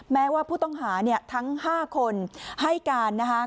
แม้ว่าผู้ต้องหาเนี่ยทั้ง๕คนให้การนะคะ